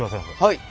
はい。